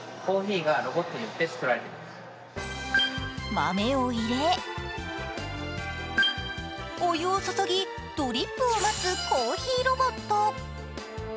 豆を入れお湯を注ぎ、ドリップを待つコーヒーロボット。